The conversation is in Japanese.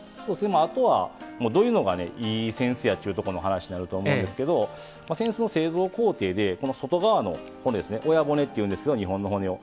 あとは、どういうのがいい扇子になるかっちゅう話になると思うんですが扇子の製造工程で、外側の骨親骨って言うんですけど２本の骨を。